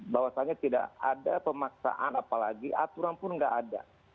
bahwasannya tidak ada pemaksaan apalagi aturan pun tidak ada